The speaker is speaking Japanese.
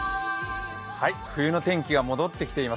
冬の天気が戻ってきています。